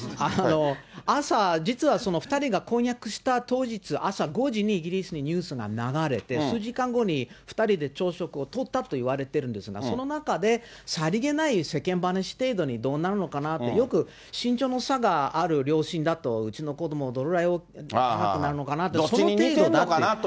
朝、実は２人が婚約した当日、朝５時に、イギリスにニュースが流れて、数時間後に、２人で朝食をとったといわれてるんですが、その中で、さりげない世間話程度にどうなるのかなって、よく、身長の差がある両親だと、うちの子ども、どれぐらい高くなるのかなとか、その程度だと。